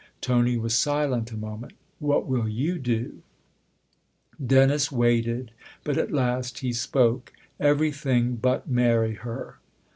Tony was silent a moment. " What will you do ?" Dennis waited, but at last he spoke. " Every thing but marry her."